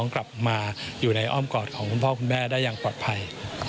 กลับมาอยู่ในอ้อมกอดของคุณพ่อคุณแม่ได้อย่างปลอดภัย